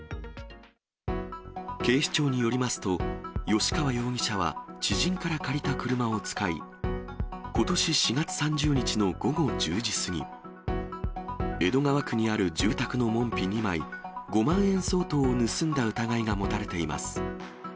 警視庁によりますと、吉川容疑者は知人から借りた車を使い、ことし４月３０日の午後１０時過ぎ、江戸川区にある住宅の門扉２枚、５万円相当を盗んだ疑いが持たれています。